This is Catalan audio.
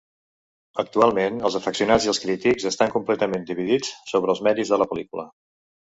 Actualment els afeccionats i els crítics estan completament dividits sobre els mèrits de la pel·lícula.